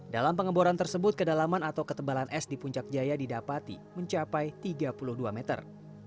dalam pengeboran tersebut kedalaman atau ketebalan es di puncak jaya didapati mencapai tiga puluh dua meter